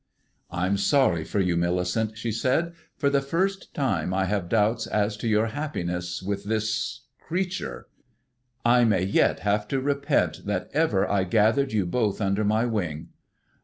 "I'm sorry for you, Millicent," she said. "For the first time I have doubts as to your happiness with this creature. I may yet have to repent that ever I gathered you both under my wing.